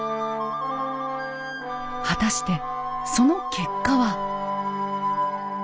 果たしてその結果は。